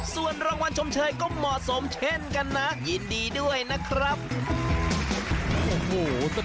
ส่วนรางวัลชมเชยก็เหมาะสมเช่นกันนะยินดีด้วยนะครับ